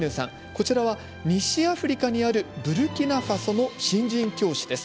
こちらは西アフリカにあるブルキナファソの新任教師です。